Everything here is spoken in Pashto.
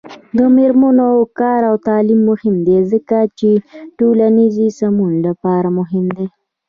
د میرمنو کار او تعلیم مهم دی ځکه چې ټولنې سمون لپاره مهم دی.